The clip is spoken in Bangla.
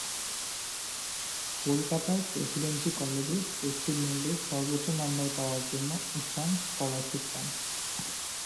কলকাতার প্রেসিডেন্সি কলেজে পশ্চিমবঙ্গে সর্বোচ্চ নম্বর পাওয়ার জন্য ঈশান স্কলারশিপ পান।